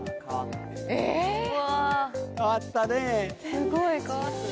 すごい変わってる。